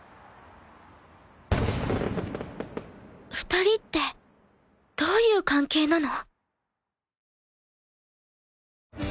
２人ってどういう関係なの？